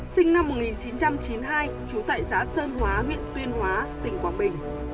sinh năm một nghìn chín trăm chín mươi hai trú tại xã sơn hóa huyện tuyên hóa tỉnh quảng bình